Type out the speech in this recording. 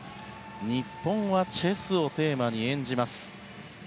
日本はチェスをテーマに演じます。